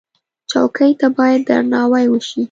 چوکۍ ته باید درناوی وشي.